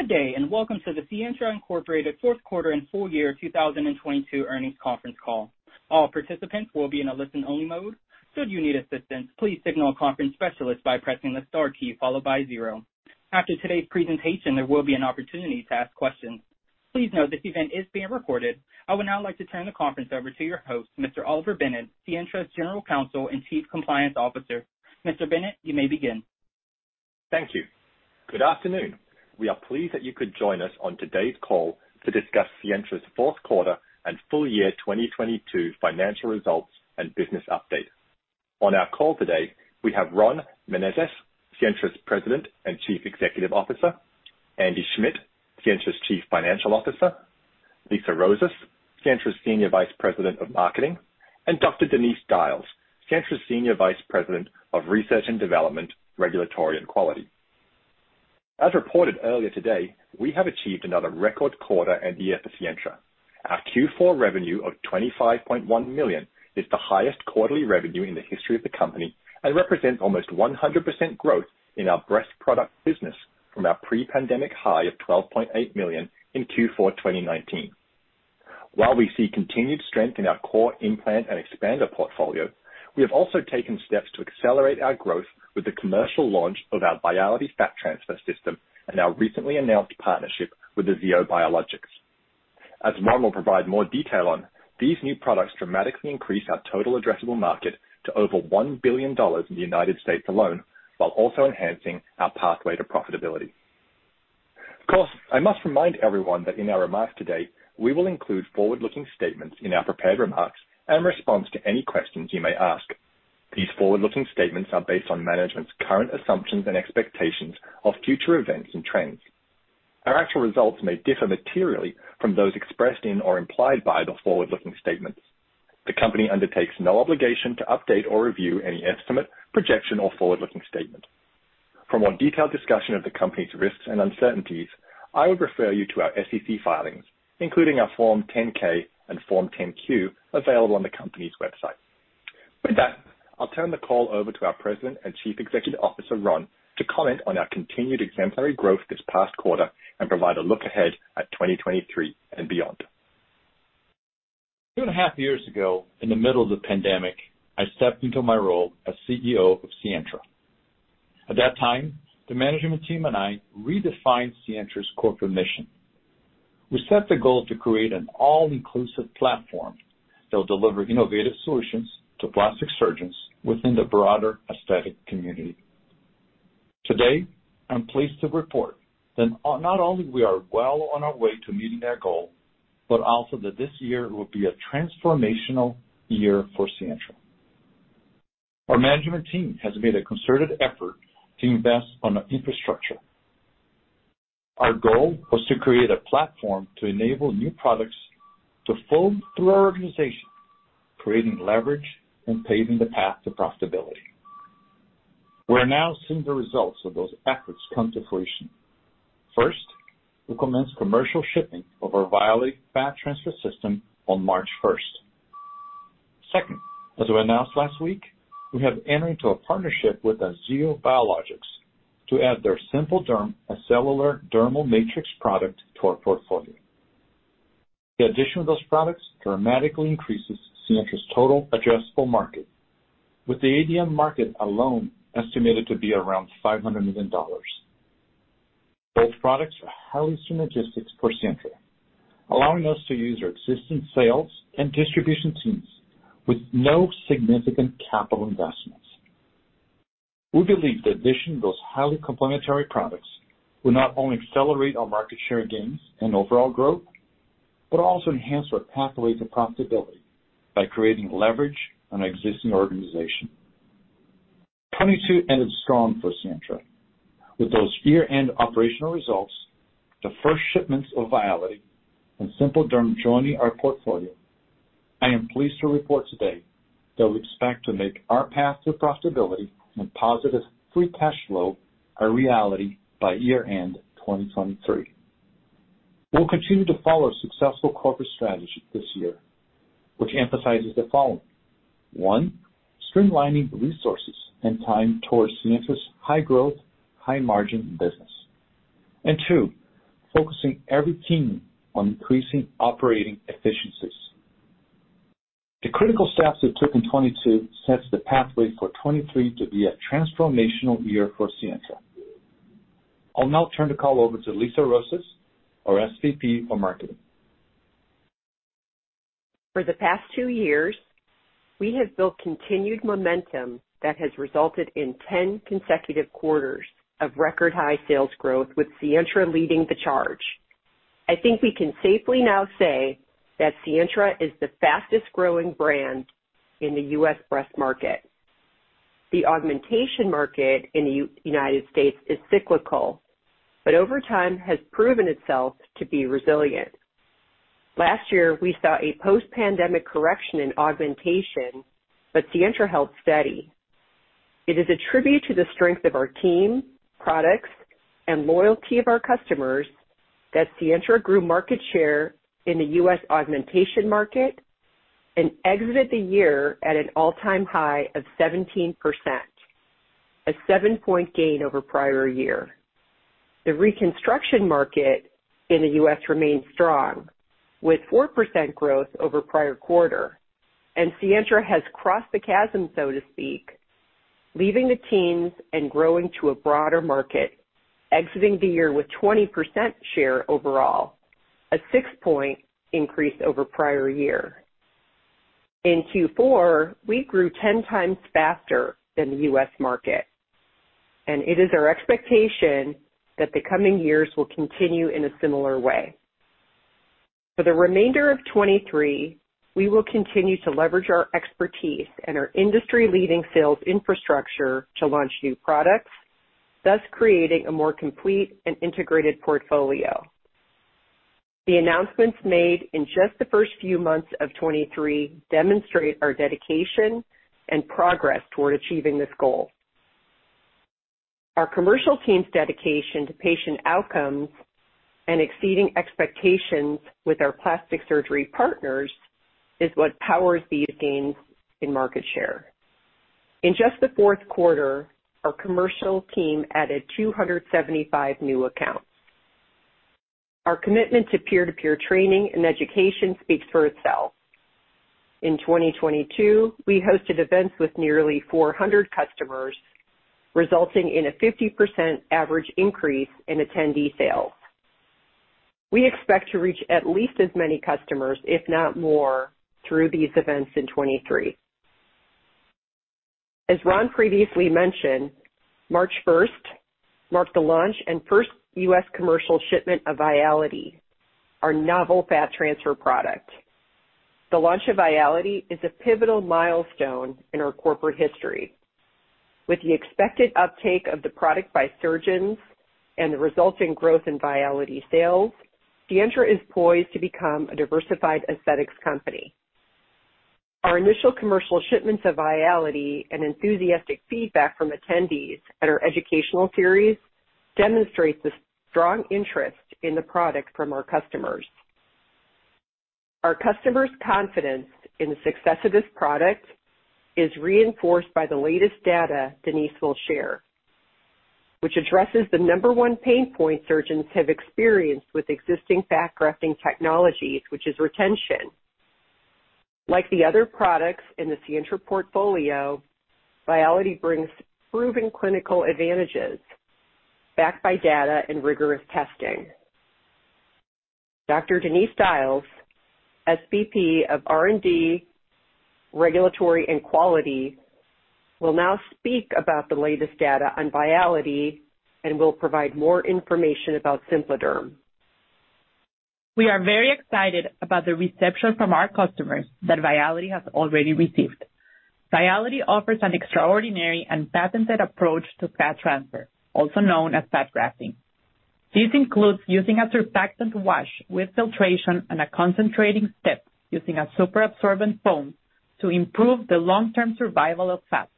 Good day. Welcome to the Sientra, Inc fourth quarter and full year 2022 earnings conference call. All participants will be in a listen-only mode. Should you need assistance, please signal a conference specialist by pressing the star key followed by zero. After today's presentation, there will be an opportunity to ask questions. Please note this event is being recorded. I would now like to turn the conference over to your host, Mr. Oliver Bennett, Sientra's General Counsel and Chief Compliance Officer. Mr. Bennett, you may begin. Thank you. Good afternoon. We are pleased that you could join us on today's call to discuss Sientra's fourth quarter and full year 2022 financial results and business update. On our call today, we have Ron Menezes, Sientra's President and Chief Executive Officer, Andy Schmidt, Sientra's Chief Financial Officer, Lisa Rosas, Sientra's Senior Vice President of Marketing, and Dr. Denise Dajles, Sientra's Senior Vice President of Research and Development, Regulatory, and Quality. As reported earlier today, we have achieved another record quarter and year for Sientra. Our Q4 revenue of $25.1 million is the highest quarterly revenue in the history of the company and represents almost 100% growth in our breast product business from our pre-pandemic high of $12.8 million in Q4 2019. While we see continued strength in our core implant and expander portfolio, we have also taken steps to accelerate our growth with the commercial launch of our Viality Fat Transfer system and our recently announced partnership with AuraGen Aesthetics, LLC. As Ron will provide more detail on, these new products dramatically increase our total addressable market to over $1 billion in the United States alone, while also enhancing our pathway to profitability. Of course, I must remind everyone that in our remarks today, we will include forward-looking statements in our prepared remarks and response to any questions you may ask. These forward-looking statements are based on management's current assumptions and expectations of future events and trends. Our actual results may differ materially from those expressed in or implied by the forward-looking statements. The company undertakes no obligation to update or review any estimate, projection, or forward-looking statement. For more detailed discussion of the company's risks and uncertainties, I would refer you to our SEC filings, including our Form 10-K and Form 10-Q, available on the company's website. With that, I'll turn the call over to our President and Chief Executive Officer, Ron, to comment on our continued exemplary growth this past quarter and provide a look ahead at 2023 and beyond. Two and a half years ago, in the middle of the pandemic, I stepped into my role as CEO of Sientra. At that time, the management team and I redefined Sientra's corporate mission. We set the goal to create an all-inclusive platform that will deliver innovative solutions to plastic surgeons within the broader aesthetic community. Today, I'm pleased to report that not only we are well on our way to meeting that goal, but also that this year will be a transformational year for Sientra. Our management team has made a concerted effort to invest on our infrastructure. Our goal was to create a platform to enable new products to flow through our organization, creating leverage and paving the path to profitability. We're now seeing the results of those efforts come to fruition. First, we'll commence commercial shipping of our Viality fat transfer system on March first. Second, as we announced last week, we have entered into a partnership with AuraGen Aesthetics, LLC to add their SimpliDerm acellular dermal matrix product to our portfolio. The addition of those products dramatically increases Sientra's total addressable market, with the ADM market alone estimated to be around $500 million. Both products are highly synergistic for Sientra, allowing us to use our existing sales and distribution teams with no significant capital investments. We believe the addition of those highly complementary products will not only accelerate our market share gains and overall growth, but also enhance our pathway to profitability by creating leverage on our existing organization. 2022 ended strong for Sientra. With those year-end operational results, the first shipments of Viality and SimpliDerm joining our portfolio, I am pleased to report today that we expect to make our path to profitability and positive free cash flow a reality by year-end 2023. We'll continue to follow successful corporate strategy this year, which emphasizes the following. One, streamlining resources and time towards Sientra's high-growth, high-margin business. Two, focusing every team on increasing operating efficiencies. The critical steps we took in 22 sets the pathway for 23 to be a transformational year for Sientra. I'll now turn the call over to Lisa Rosas, our SVP of marketing. For the past two years, we have built continued momentum that has resulted in 10 consecutive quarters of record high sales growth, with Sientra leading the charge. I think we can safely now say that Sientra is the fastest growing brand in the U.S. breast market. The augmentation market in United States is cyclical, but over time has proven itself to be resilient. Last year, we saw a post-pandemic correction in augmentation, but Sientra held steady. It is a tribute to the strength of our team, products, and loyalty of our customers that Sientra grew market share in the U.S. augmentation market. Exited the year at an all-time high of 17%, a 7-point gain over prior year. The reconstruction market in the U.S. remains strong, with 4% growth over prior quarter. Sientra has crossed the chasm, so to speak, leaving the teens and growing to a broader market, exiting the year with 20% share overall, a 6-point increase over prior year. In Q4, we grew 10 times faster than the U.S. market. It is our expectation that the coming years will continue in a similar way. For the remainder of 2023, we will continue to leverage our expertise and our industry-leading sales infrastructure to launch new products, thus creating a more complete and integrated portfolio. The announcements made in just the first few months of 2023 demonstrate our dedication and progress toward achieving this goal. Our commercial team's dedication to patient outcomes and exceeding expectations with our plastic surgery partners is what powers these gains in market share. In just the fourth quarter, our commercial team added 275 new accounts. Our commitment to peer-to-peer training and education speaks for itself. In 2022, we hosted events with nearly 400 customers, resulting in a 50% average increase in attendee sales. We expect to reach at least as many customers, if not more, through these events in 2023. As Ron previously mentioned, March first marked the launch and first U.S. commercial shipment of Viality, our novel fat transfer product. The launch of Viality is a pivotal milestone in our corporate history. With the expected uptake of the product by surgeons and the resulting growth in Viality sales, Sientra is poised to become a diversified aesthetics company. Our initial commercial shipments of Viality and enthusiastic feedback from attendees at our educational series demonstrates the strong interest in the product from our customers. Our customers' confidence in the success of this product is reinforced by the latest data Denise will share, which addresses the number one pain point surgeons have experienced with existing fat grafting technologies, which is retention. Like the other products in the Sientra portfolio, Viality brings proven clinical advantages backed by data and rigorous testing. Dr. Denise Dajles, SVP of R&D, Regulatory, and Quality, will now speak about the latest data on Viality and will provide more information about SimpliDerm. We are very excited about the reception from our customers that Viality has already received. Viality offers an extraordinary and patented approach to fat transfer, also known as fat grafting. This includes using a surfactant wash with filtration and a concentrating step using a superabsorbent foam to improve the long-term survival of fats,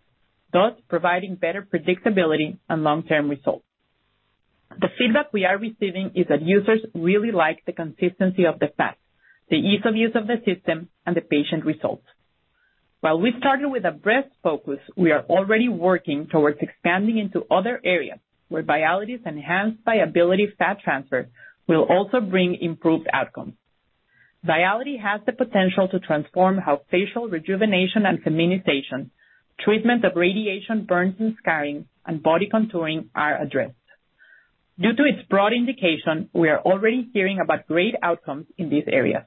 thus providing better predictability and long-term results. The feedback we are receiving is that users really like the consistency of the fat, the ease of use of the system, and the patient results. While we started with a breast focus, we are already working towards expanding into other areas where Viality's Enhanced Viability Fat Transfer will also bring improved outcomes. Viality has the potential to transform how facial rejuvenation and feminization, treatment of radiation burns and scarring, and body contouring are addressed. Due to its broad indication, we are already hearing about great outcomes in these areas.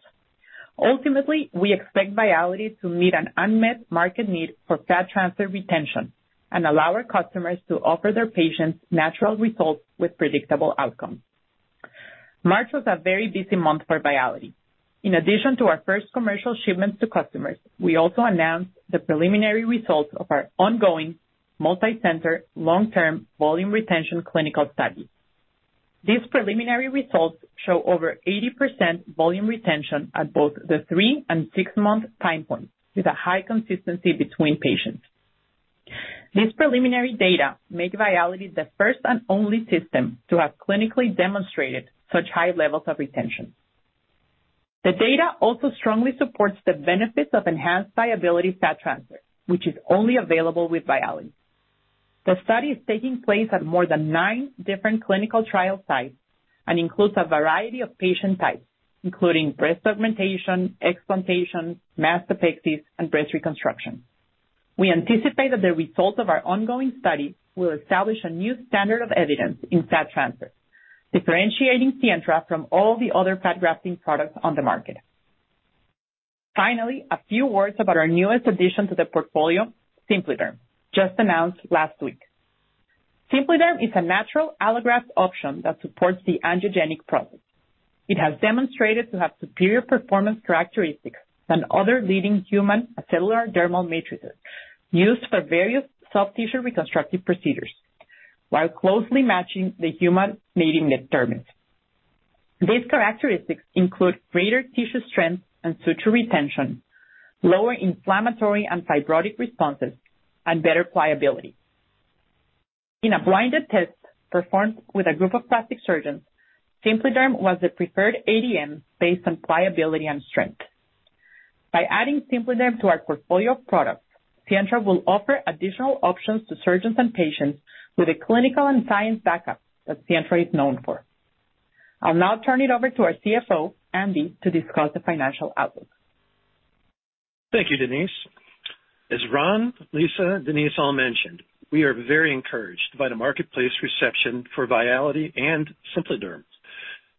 Ultimately, we expect Viality to meet an unmet market need for fat transfer retention and allow our customers to offer their patients natural results with predictable outcomes. March was a very busy month for Viality. In addition to our first commercial shipments to customers, we also announced the preliminary results of our ongoing multicenter long-term volume retention clinical study. These preliminary results show over 80% volume retention at both the three and six-month time points, with a high consistency between patients. This preliminary data makes Viality the first and only system to have clinically demonstrated such high levels of retention. The data also strongly supports the benefits of Enhanced Viability Fat Transfer, which is only available with Viality. The study is taking place at more than nine different clinical trial sites and includes a variety of patient types, including breast augmentation, explantation, mastopexy, and breast reconstruction. We anticipate that the results of our ongoing study will establish a new standard of evidence in fat transfer, differentiating Sientra from all the other fat grafting products on the market. A few words about our newest addition to the portfolio, SimpliDerm, just announced last week. SimpliDerm is a natural allograft option that supports the angiogenic process. It has demonstrated to have superior performance characteristics than other leading human acellular dermal matrices used for various soft tissue reconstructive procedures while closely matching the human living dermis. These characteristics include greater tissue strength and suture retention, lower inflammatory and fibrotic responses, and better pliability. In a blinded test performed with a group of plastic surgeons, SimpliDerm was the preferred ADM based on pliability and strength. By adding SimpliDerm to our portfolio of products, Sientra will offer additional options to surgeons and patients with a clinical and science backup that Sientra is known for. I'll now turn it over to our CFO, Andy, to discuss the financial outlook. Thank you, Denise. As Ron, Lisa, Denise all mentioned, we are very encouraged by the marketplace reception for Viality and SimpliDerm.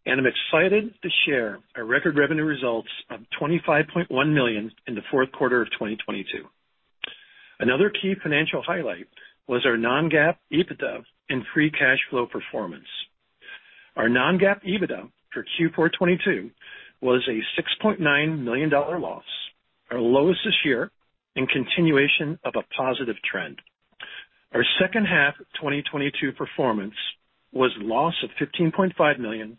I'm excited to share our record revenue results of $25.1 million in the fourth quarter of 2022. Another key financial highlight was our non-GAAP EBITDA and free cash flow performance. Our non-GAAP EBITDA for Q4 2022 was a $6.9 million loss, our lowest this year, in continuation of a positive trend. Our second half of 2022 performance was loss of $15.5 million,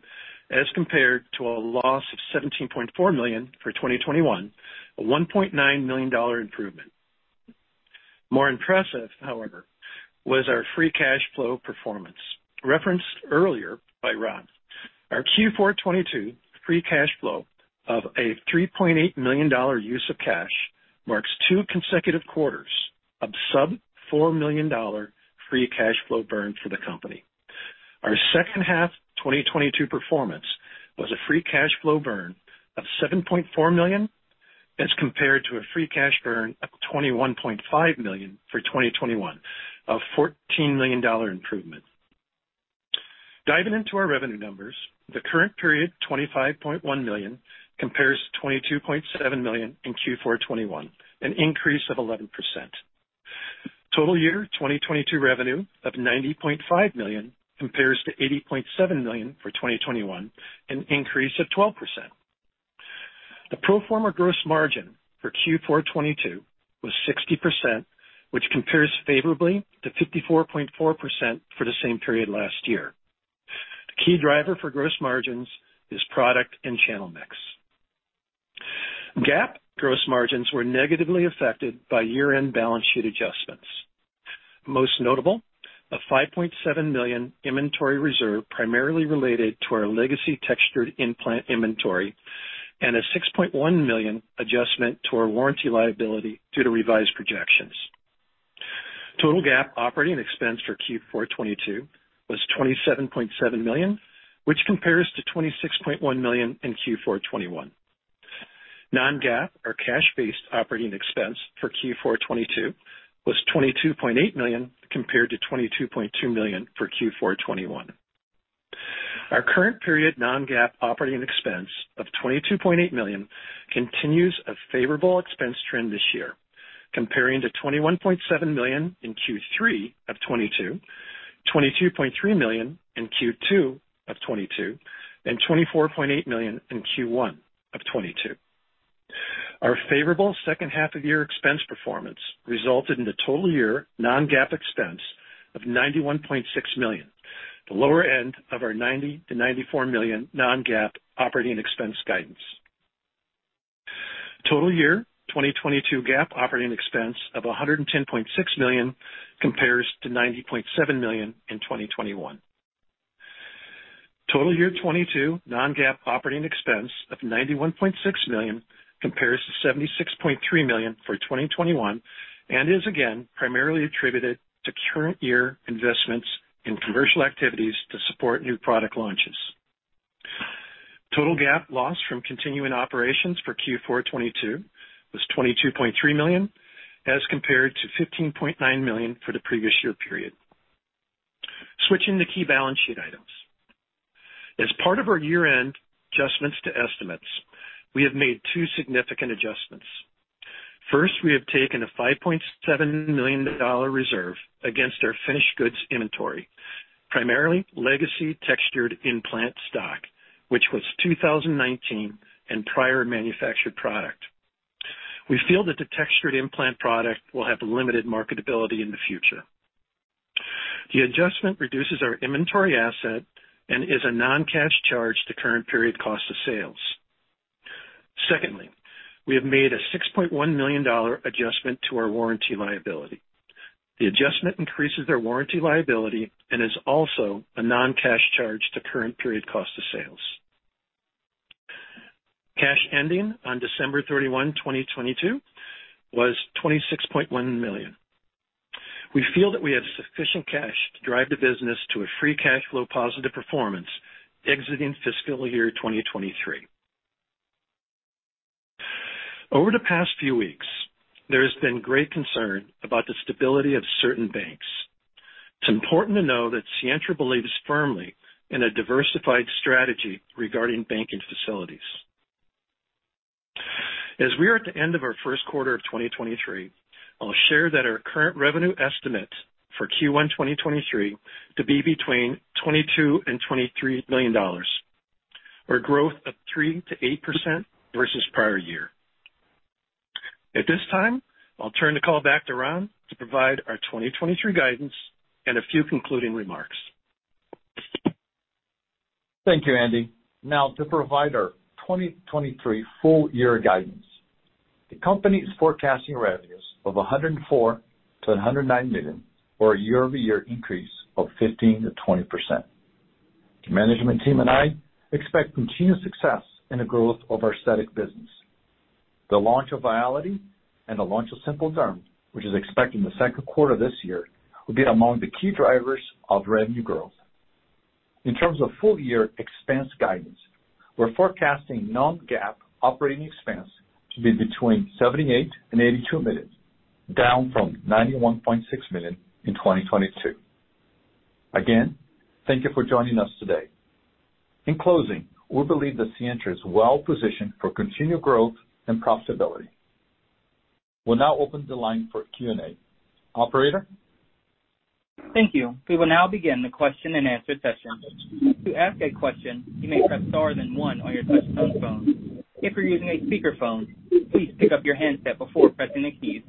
as compared to a loss of $17.4 million for 2021, a $1.9 million improvement. More impressive, however, was our free cash flow performance. Referenced earlier by Ron, our Q4 2022 free cash flow of a $3.8 million use of cash marks two consecutive quarters of sub-$4 million free cash flow burn for the company. Our second half of 2022 performance was a free cash flow burn of $7.4 million as compared to a free cash burn of $21.5 million for 2021, a $14 million improvement. Diving into our revenue numbers, the current period, $25.1 million, compares to $22.7 million in Q4 2022, an increase of 11%. Total year 2022 revenue of $90.5 million compares to $80.7 million for 2021, an increase of 12%. The pro forma gross margin for Q4 2022 was 60%, which compares favorably to 54.4% for the same period last year. The key driver for gross margins is product and channel mix. GAAP gross margins were negatively affected by year-end balance sheet adjustments. Most notable, a $5.7 million inventory reserve primarily related to our legacy textured implant inventory, and a $6.1 million adjustment to our warranty liability due to revised projections. Total GAAP operating expense for Q4 2022 was $27.7 million, which compares to $26.1 million in Q4 2021. Non-GAAP or cash-based operating expense for Q4 2022 was $22.8 million compared to $22.2 million for Q4 2021. Our current period Non-GAAP operating expense of $22.8 million continues a favorable expense trend this year, comparing to $21.7 million in Q3 of 2022, $22.3 million in Q2 of 2022, and $24.8 million in Q1 of 2022. Our favorable second half of year expense performance resulted in a total year non-GAAP expense of $91.6 million, the lower end of our $90 million-$94 million non-GAAP operating expense guidance. Total year 2022 GAAP operating expense of $110.6 million compares to $90.7 million in 2021. Total year 2022 non-GAAP operating expense of $91.6 million compares to $76.3 million for 2021 and is again primarily attributed to current year investments in commercial activities to support new product launches. Total GAAP loss from continuing operations for Q4 2022 was $22.3 million as compared to $15.9 million for the previous year period. Switching to key balance sheet items. As part of our year-end adjustments to estimates, we have made two significant adjustments. First, we have taken a $5.7 million reserve against our finished goods inventory, primarily legacy textured implant stock, which was 2019 and prior manufactured product. We feel that the textured implant product will have limited marketability in the future. The adjustment reduces our inventory asset and is a non-cash charge to current period cost of sales. Secondly, we have made a $6.1 million adjustment to our warranty liability. The adjustment increases our warranty liability and is also a non-cash charge to current period cost of sales. Cash ending on December 31, 2022, was $26.1 million. We feel that we have sufficient cash to drive the business to a free cash flow positive performance exiting fiscal year 2023. Over the past few weeks, there has been great concern about the stability of certain banks. It's important to know that Sientra believes firmly in a diversified strategy regarding banking facilities. As we are at the end of our first quarter of 2023, I'll share that our current revenue estimate for Q1 2023 to be between $22 million and $23 million, or growth of 3%-8% versus prior year. At this time, I'll turn the call back to Ron to provide our 2023 guidance and a few concluding remarks. Thank you, Andy. To provide our 2023 full year guidance. The company is forecasting revenues of $104 million-$109 million, or a year-over-year increase of 15%-20%. The management team and I expect continued success in the growth of our aesthetic business. The launch of Viality and the launch of SimpliDerm, which is expected in the second quarter this year, will be among the key drivers of revenue growth. In terms of full year expense guidance, we're forecasting non-GAAP operating expense to be between $78 million and $82 million, down from $91.6 million in 2022. Thank you for joining us today. In closing, we believe that Sientra is well positioned for continued growth and profitability. We'll now open the line for Q&A. Operator? Thank you. We will now begin the question-and-answer session. To ask a question, you may press star then one on your touch-tone phone. If you're using a speakerphone, please pick up your handset before pressing the keys.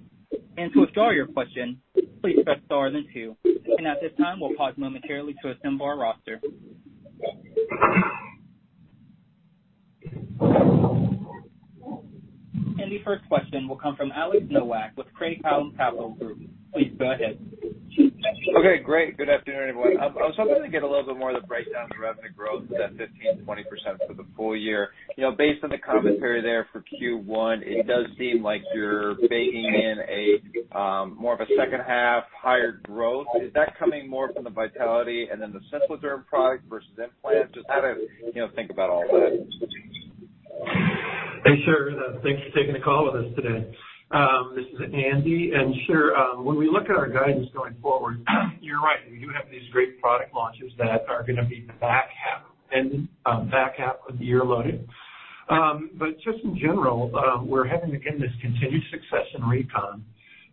To withdraw your question, please press star then two. At this time, we'll pause momentarily to assemble our roster. The first question will come from Alex Nowak with Craig-Hallum Capital Group. Please go ahead. Okay, great. Good afternoon, everyone. I was hoping to get a little bit more of the breakdown of the revenue growth, that 15%-20% for the full year. You know, based on the commentary there for Q1, it does seem like you're baking in a more of a second half higher growth. Is that coming more from the Viality and then the SimpliDerm product versus implants? Just how to, you know, think about all that. Hey, sure. Thanks for taking the call with us today. This is Andy. Sure, when we look at our guidance going forward, you're right, we do have these great product launches that are gonna be the back half of the year loaded. Just in general, we're having, again, this continued success in Recon.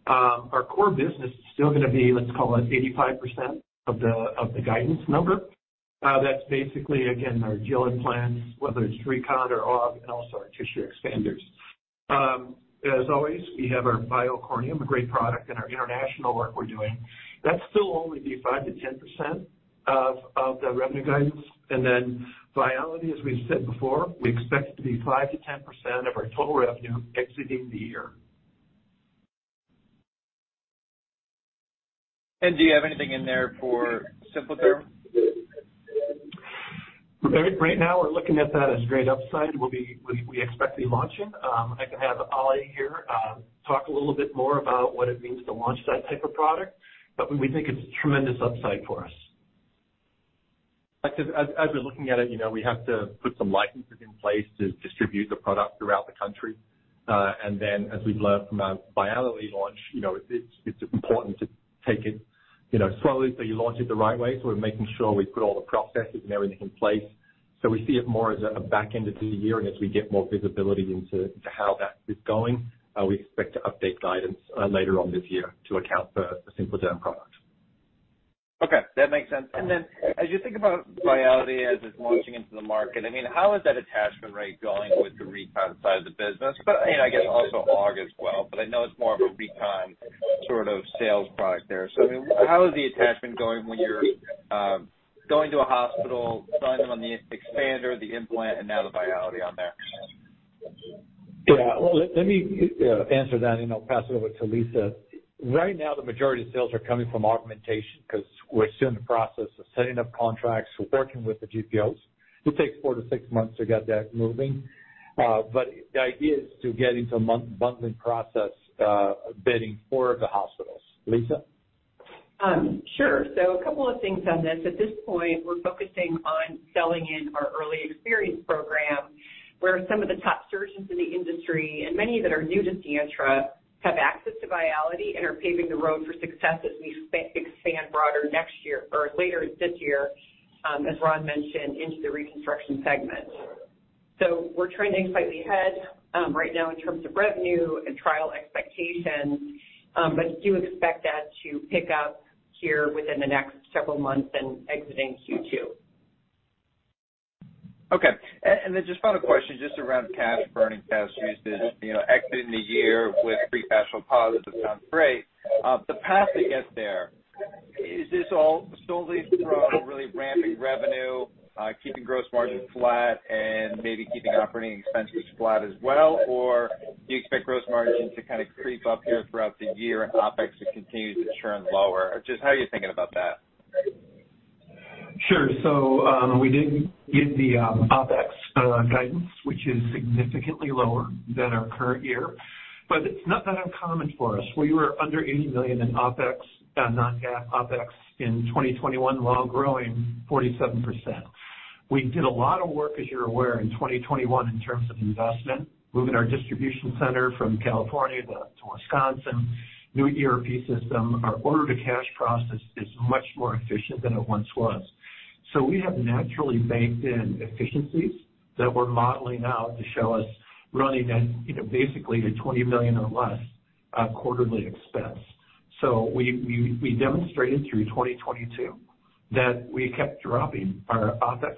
Our core business is still gonna be, let's call it 85% of the guidance number. That's basically, again, our gel implants, whether it's Recon or Aug, and also our tissue expanders. As always, we have our BIOCORNEUM, a great product, and our international work we're doing. That's still only be 5%-10% of the revenue guidance. Viality, as we've said before, we expect it to be 5%-10% of our total revenue exiting the year. Do you have anything in there for SimpliDerm? Right now we're looking at that as great upside. We expect to be launching. I can have Ollie here, talk a little bit more about what it means to launch that type of product, but we think it's a tremendous upside for us. As we're looking at it, you know, we have to put some licenses in place to distribute the product throughout the country. As we've learned from our Viality launch, you know, it's important to take it, you know, slowly, so you launch it the right way. We're making sure we put all the processes and everything in place. We see it more as a back end of the year. As we get more visibility into how that is going, we expect to update guidance later on this year to account for the SimpliDerm product. Okay, that makes sense. As you think about Viality as it's launching into the market, I mean, how is that attachment rate going with the Recon side of the business? you know, I guess also Aug as well, but I know it's more of a Recon sort of sales product there. I mean, how is the attachment going when you're going to a hospital, selling them on the expander, the implant, and now the Viality on there? Yeah. Well, let me answer that and I'll pass it over to Lisa. Right now, the majority of sales are coming from augmentation 'cause we're still in the process of setting up contracts, working with the GPOs. It takes four to six months to get that moving. The idea is to get into a mon-bundling process, bidding for the hospitals. Lisa? Sure. A couple of things on this. At this point, we're focusing on selling in our early experience program, where some of the top surgeons in the industry, and many that are new to Sientra, have access to Viality and are paving the road for success as we expand broader next year or later this year, as Ron mentioned, into the reconstruction segment. We're trying to think slightly ahead, right now in terms of revenue and trial expectations. Do expect that to pick up here within the next several months and exiting Q2. Okay. Then just final question, just around cash burning, cash usage. You know, exiting the year with free cash flow positive sounds great. The path to get there, is this all solely from really ramping revenue, keeping gross margins flat and maybe keeping operating expenses flat as well? Or do you expect gross margins to kind of creep up here throughout the year and OpEx to continue to trend lower? Just how are you thinking about that? Sure. We did give the OpEx guidance, which is significantly lower than our current year, but it's not that uncommon for us. We were under $80 million in OpEx, non-GAAP OpEx in 2021, while growing 47%. We did a lot of work, as you're aware, in 2021 in terms of investment, moving our distribution center from California to Wisconsin, new ERP system. Our order to cash process is much more efficient than it once was. We have naturally baked in efficiencies that we're modeling out to show us running at, you know, basically a $20 million or less quarterly expense. We demonstrated through 2022 that we kept dropping our OpEx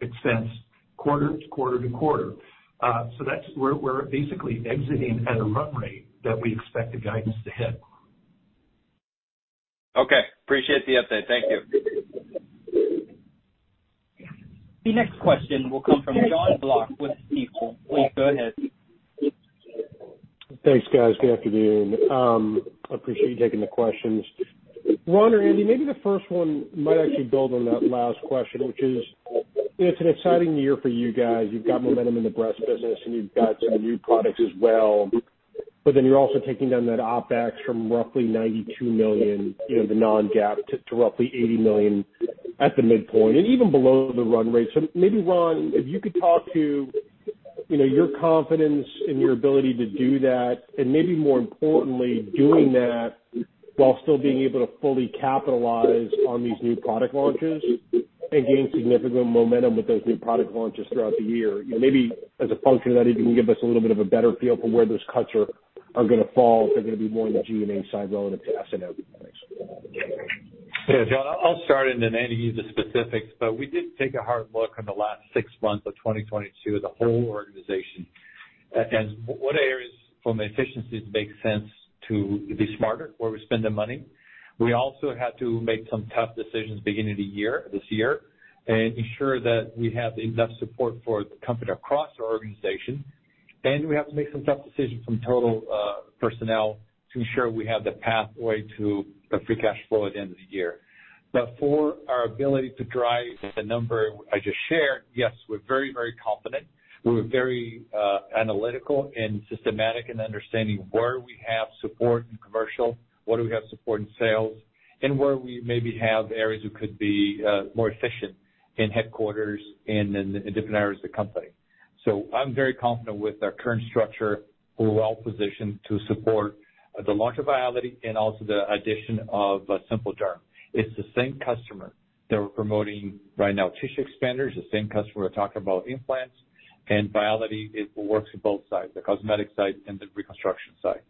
expense quarter to quarter to quarter. That's where we're basically exiting at a run rate that we expect the guidance to hit. Okay. Appreciate the update. Thank you. The next question will come from Jonathan Block with Stifel. Please go ahead. Thanks, guys. Good afternoon. I appreciate you taking the questions. Ron or Andy, maybe the first one might actually build on that last question, which is, it's an exciting year for you guys. You've got momentum in the breast business, and you've got some new products as well. You're also taking down that OpEx from roughly $92 million, you know, the non-GAAP, to roughly $80 million at the midpoint and even below the run rate. Maybe, Ron, if you could talk to, you know, your confidence in your ability to do that, and maybe more importantly, doing that while still being able to fully capitalize on these new product launches and gain significant momentum with those new product launches throughout the year. You know, maybe as a function of that, if you can give us a little bit of a better feel for where those cuts are gonna fall, if they're gonna be more on the G&A side relative to S&P, thanks. John, I'll start and then Andy, give you the specifics. We did take a hard look in the last six months of 2022, the whole organization, at what areas from an efficiency make sense to be smarter where we spend the money. We also had to make some tough decisions beginning of the year, this year, and ensure that we have enough support for the company across our organization, and we have to make some tough decisions from total personnel to ensure we have the pathway to the free cash flow at the end of the year. For our ability to drive the number I just shared, yes, we're very confident. We're very analytical and systematic in understanding where we have support in commercial, where do we have support in sales, and where we maybe have areas that could be more efficient in headquarters and in different areas of the company. I'm very confident with our current structure. We're well positioned to support the launch of Viality and also the addition of SimpliDerm. It's the same customer that we're promoting right now, tissue expanders, the same customer we're talking about implants, and Viality, it works in both sides, the cosmetic side and the reconstruction side.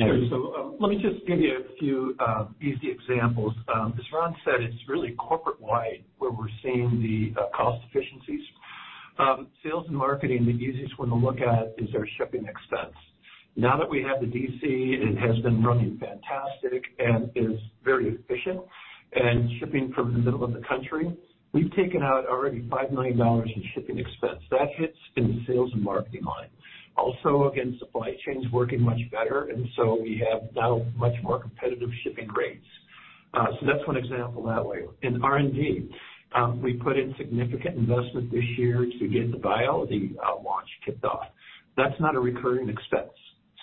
Let me just give you a few easy examples. As Ron said, it's really corporate-wide where we're seeing the cost efficiencies. Sales and marketing, the easiest one to look at is our shipping expense. Now that we have the DC, it has been running fantastic and is very efficient. Shipping from the middle of the country, we've taken out already $5 million in shipping expense. That hits in the sales and marketing line. Also, again, supply chain's working much better, and so we have now much more competitive shipping rates. That's one example that way. In R&D, we put in significant investment this year to get the Viality launch kicked off. That's not a recurring expense,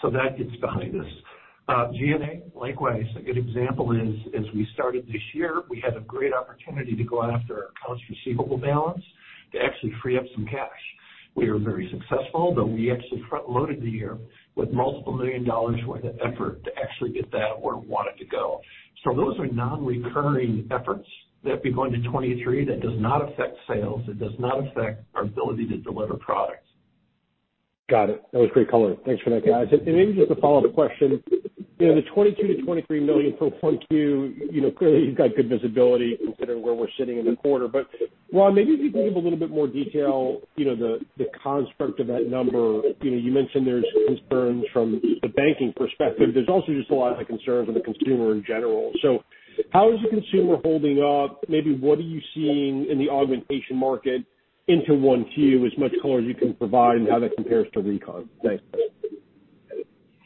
that gets behind us. G&A, likewise, a good example is, as we started this year, we had a great opportunity to go after our accounts receivable balance to actually free up some cash. We were very successful, though we actually front-loaded the year with multiple million dollars worth of effort to actually get that where we want it to go. Those are non-recurring efforts that be going to 2023 that does not affect sales. It does not affect our ability to deliver products. Got it. That was great color. Thanks for that, guys. Maybe just a follow-up question. You know, the $22 million-$23 million for 1Q, you know, clearly you've got good visibility considering where we're sitting in the quarter. Ron, maybe if you can give a little bit more detail, you know, the construct of that number. You know, you mentioned there's concerns from the banking perspective. There's also just a lot of the concerns of the consumer in general. How is the consumer holding up? Maybe what are you seeing in the augmentation market into 1Q, as much color as you can provide, and how that compares to recon? Thanks.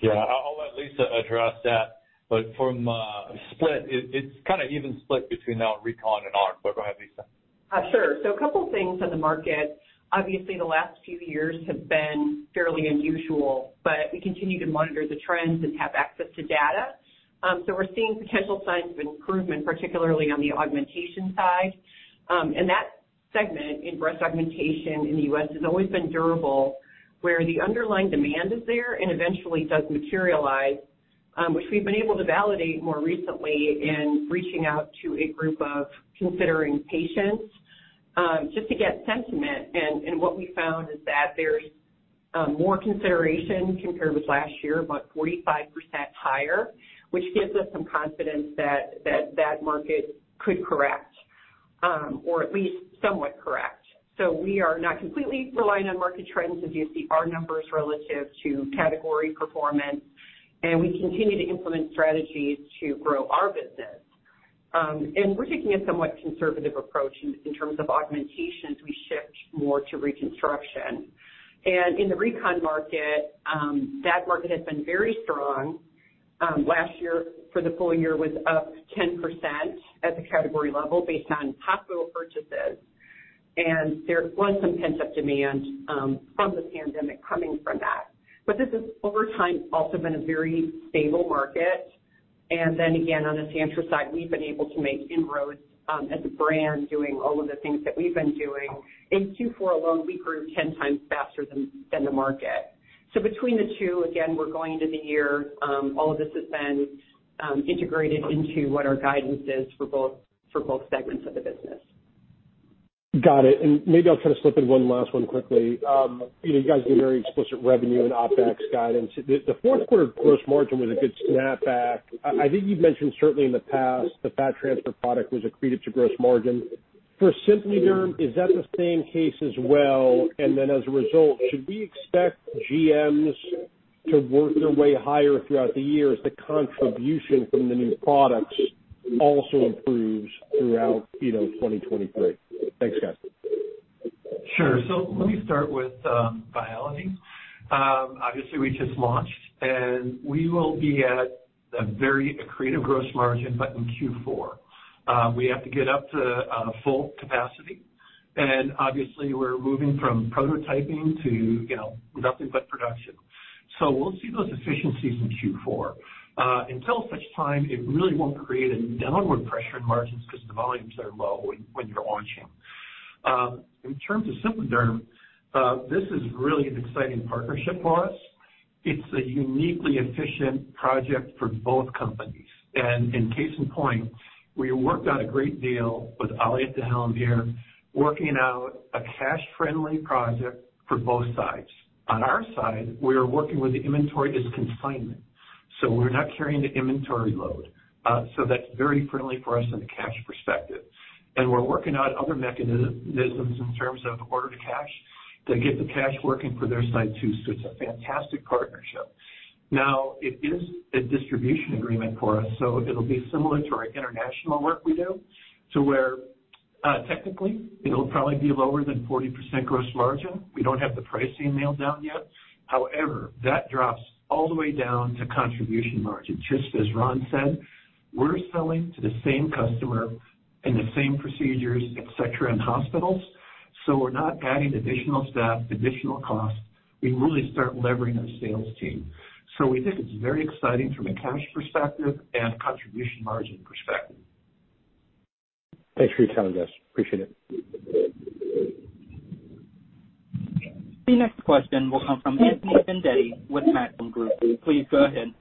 Yeah. I'll let Lisa address that. From a split, it's kinda even split between recon and Aug. Go ahead, Lisa. Sure. A couple of things on the market. Obviously, the last few years have been fairly unusual, but we continue to monitor the trends and have access to data. We're seeing potential signs of improvement, particularly on the augmentation side. That segment in breast augmentation in the U.S. has always been durable, where the underlying demand is there and eventually does materialize, which we've been able to validate more recently in reaching out to a group of considering patients, just to get sentiment. What we found is that there's more consideration compared with last year, about 45% higher, which gives us some confidence that that market could correct, or at least somewhat correct. We are not completely relying on market trends as you see our numbers relative to category performance, and we continue to implement strategies to grow our business. We're taking a somewhat conservative approach in terms of augmentations, we shift more to reconstruction. In the Recon market, that market has been very strong. Last year, for the full year was up 10% at the category level based on hospital purchases. There was some pent-up demand from the pandemic coming from that. This has over time also been a very stable market. Again, on the Sientra side, we've been able to make inroads as a brand doing all of the things that we've been doing. In Q4 alone, we grew 10 times faster than the market. Between the two, again, we're going into the year, all of this has been integrated into what our guidance is for both segments of the business. Got it. Maybe I'll try to slip in one last one quickly. You know, you guys give very explicit revenue and OpEx guidance. The, the fourth quarter gross margin was a good snapback. I think you've mentioned certainly in the past, the fat transfer product was accretive to gross margin. For SimpliDerm, is that the same case as well? As a result, should we expect GMs to work their way higher throughout the year as the contribution from the new products also improves throughout, you know, 2023? Thanks, guys. Sure. Let me start with Viality. Obviously, we just launched, we will be at a very accretive gross margin in Q4. We have to get up to full capacity, obviously we're moving from prototyping to, you know, nothing but production. We'll see those efficiencies in Q4. Until such time, it really won't create a downward pressure in margins because the volumes are low when you're launching. In terms of SimpliDerm, this is really an exciting partnership for us. It's a uniquely efficient project for both companies. In case in point, we worked out a great deal with Ali at the helm here, working out a cash-friendly project for both sides. On our side, we are working with the inventory as consignment, we're not carrying the inventory load. That's very friendly for us from a cash perspective. We're working on other mechanisms in terms of order to cash to get the cash working for their side, too. It's a fantastic partnership. Now, it is a distribution agreement for us, it'll be similar to our international work we do, to where, technically it'll probably be lower than 40% gross margin. We don't have the pricing nailed down yet. However, that drops all the way down to contribution margin. Just as Ron said, we're selling to the same customer in the same procedures, et cetera, in hospitals. We're not adding additional staff, additional costs. We really start levering our sales team. We think it's very exciting from a cash perspective and contribution margin perspective. Thanks for your time, guys. Appreciate it. The next question will come from Anthony Vendetti with Maxim Group. Please go ahead.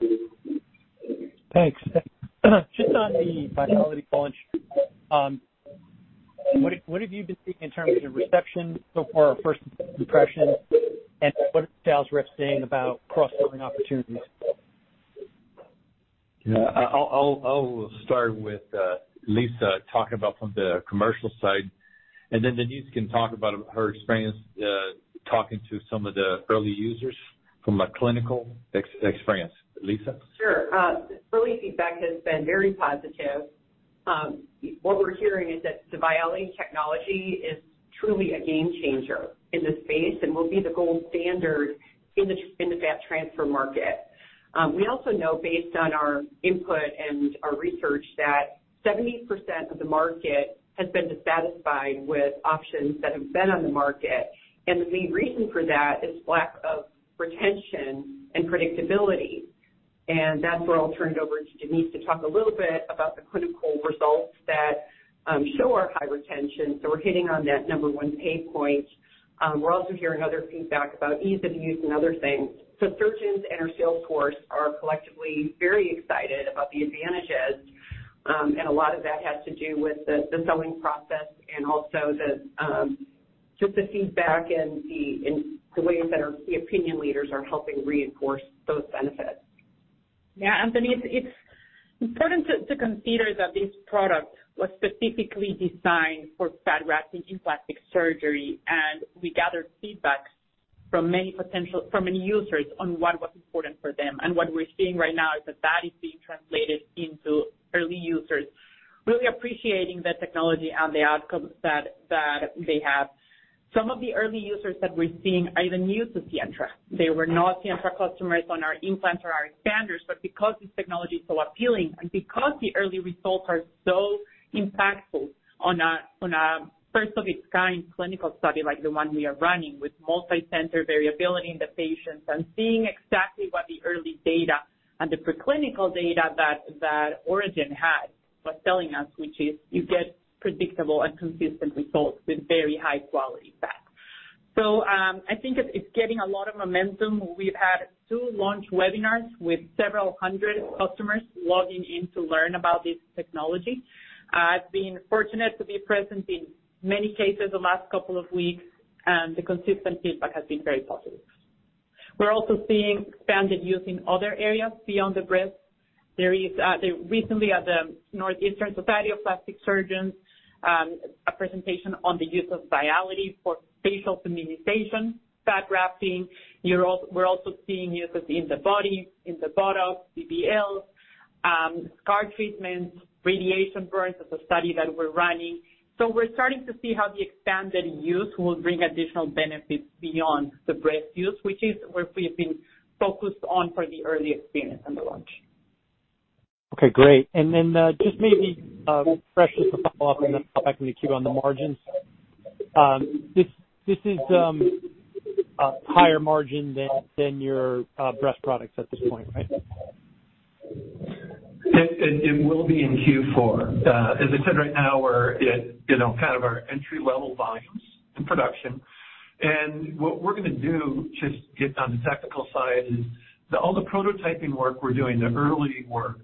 Thanks. Just on the Viality launch, what have you been seeing in terms of reception so far or first impressions? What are the sales reps saying about cross-selling opportunities? Yeah. I'll start with Lisa talking about from the commercial side, and then Denise can talk about her experience, talking to some of the early users from a clinical experience. Lisa? Sure. Early feedback has been very positive. What we're hearing is that the Viality technology is truly a game changer in this space and will be the gold standard in the fat transfer market. We also know based on our input and our research that 70% of the market has been dissatisfied with options that have been on the market, the main reason for that is lack of retention and predictability. That's where I'll turn it over to Denise to talk a little bit about the clinical results that show our high retention. We're hitting on that number one pain point. We're also hearing other feedback about ease of use and other things. Surgeons and our sales force are collectively very excited about the advantages, and a lot of that has to do with the selling process and also the, just the feedback and the, and the ways that our, the opinion leaders are helping reinforce those benefits. Yeah, Anthony, it's important to consider that this product was specifically designed for fat grafting in plastic surgery. We gathered feedback from many users on what was important for them. What we're seeing right now is that is being translated into early users really appreciating the technology and the outcomes that they have. Some of the early users that we're seeing are even new to Sientra. They were not Sientra customers on our implants or our expanders, but because this technology is so appealing and because the early results are so impactful on a first of its kind clinical study like the one we are running with multi-center variability in the patients and seeing exactly what the early data and the preclinical data that AuraGen had was telling us, which is you get predictable and consistent results with very high quality fat. I think it's getting a lot of momentum. We've had two launch webinars with several hundred customers logging in to learn about this technology. I've been fortunate to be present in many cases the last couple of weeks, and the consistent feedback has been very positive. We're also seeing expanded use in other areas beyond the breast. There is recently at the Northeastern Society of Plastic Surgeons a presentation on the use of Viality for facial feminization, fat grafting. We're also seeing uses in the body, in the buttock, BBLs, scar treatments, radiation burns. That's a study that we're running. We're starting to see how the expanded use will bring additional benefits beyond the breast use, which is where we've been focused on for the early experience and the launch. Okay, great. Just maybe, fresh as a follow-up and then I'll come back to the queue on the margins. This is a higher margin than your breast products at this point, right? It will be in Q4. As I said, right now we're at, you know, kind of our entry-level volumes in production. What we're gonna do, just get on the technical side, is all the prototyping work we're doing, the early work,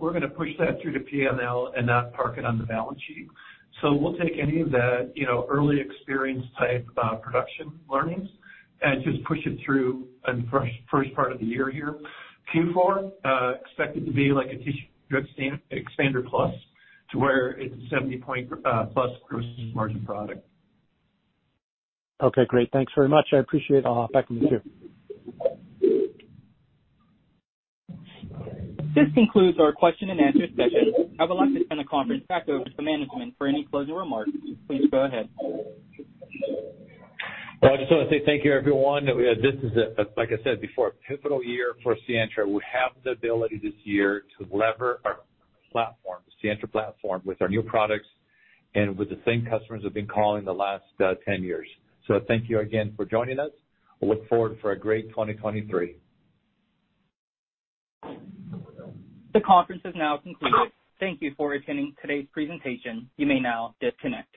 we're gonna push that through to P&L and not park it on the balance sheet. We'll take any of that, you know, early experience type, production learnings and just push it through in the first part of the year here. Q4, expect it to be like a tissue expander plus to where it's a 70%+ gross margin product. Okay, great. Thanks very much. I appreciate it. I'll come back to the queue. This concludes our question-and-answer session. I would like to turn the conference back over to management for any closing remarks. Please go ahead. I just wanna say thank you, everyone. This is, like I said before, a pivotal year for Sientra. We have the ability this year to lever our platform, the Sientra platform, with our new products and with the same customers we've been calling the last, 10 years. Thank you again for joining us. I look forward for a great 2023. The conference is now concluded. Thank you for attending today's presentation. You may now disconnect.